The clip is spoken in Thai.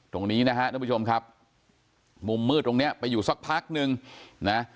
ตรงนี้นะฮะท่านผู้ชมครับมุมมืดตรงเนี้ยไปอยู่สักพักนึงนะ